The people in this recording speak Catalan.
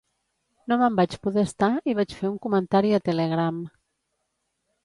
No me'n vaig poder estar i vaig fer un comentari a Telegram